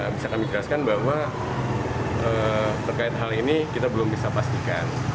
bisa kami jelaskan bahwa terkait hal ini kita belum bisa pastikan